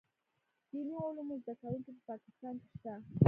دیني علومو زده کوونکي په پاکستان کې شته.